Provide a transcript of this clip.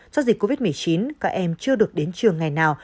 do dịch covid một mươi chín các em chưa được đến trường ngày nào